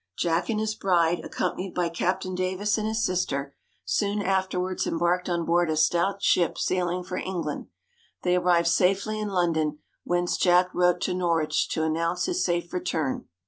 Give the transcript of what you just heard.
Jack and his bride, accompanied by Captain Davis and his sister, soon afterwards embarked on board a stout ship sailing for England. They arrived safely in London, whence Jack wrote to Norwich to announce his safe return.